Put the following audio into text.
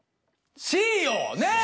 Ｃよねえ！